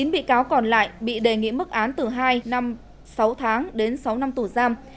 chín bị cáo còn lại bị đề nghị mức án từ hai năm sáu tháng đến sáu năm tù giam